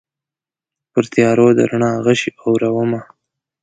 پرتیارو د رڼا غشي اورومه